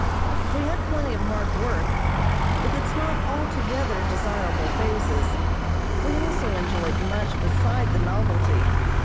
If we had plenty of hard work, with its not altogether desirable phases, we also enjoyed much beside the novelty.